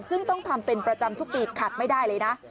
ซึ่งต้องทำเป็นประจำทุกปีขัดไม่ได้เลยนะ